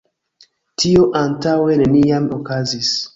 Tio antaŭe neniam okazis.